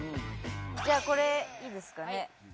じゃあこれいいですかね？